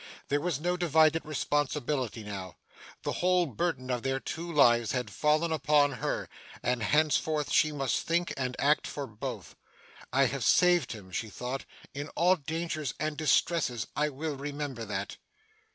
There was no divided responsibility now; the whole burden of their two lives had fallen upon her, and henceforth she must think and act for both. 'I have saved him,' she thought. 'In all dangers and distresses, I will remember that.